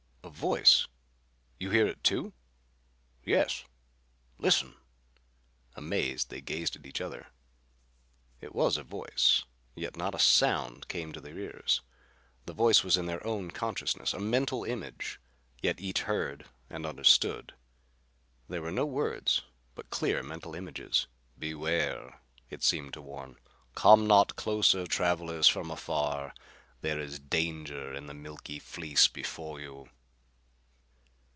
"A voice! You hear it too?" "Yes. Listen!" Amazed, they gazed at each other. It was a voice; yet not a sound came to their ears. The voice was in their own consciousness. A mental message! Yet each heard and understood. There were no words, but clear mental images. "Beware!" it seemed to warn. "Come not closer, travelers from afar. There is danger in the milky fleece before you!"